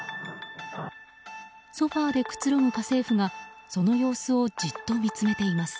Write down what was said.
ソファでくつろぐ家政婦がその様子をじっと見つめています。